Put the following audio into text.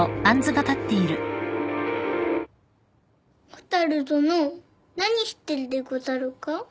・蛍殿何してるでござるか？